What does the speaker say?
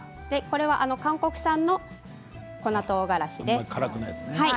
韓国産の粉とうがらしです。